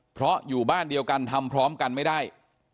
เพราะอยู่บ้านเดียวกันทำพร้อมกันไม่ได้